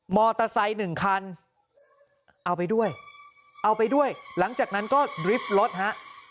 หนึ่งคันเอาไปด้วยเอาไปด้วยหลังจากนั้นก็ดริฟท์รถฮะ